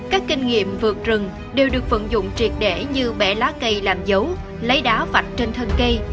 các kinh nghiệm vượt rừng đều được vận dụng triệt để như bẻ lá cây làm dấu lấy đá vạch trên thân cây